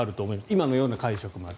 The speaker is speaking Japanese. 今のような解釈もある。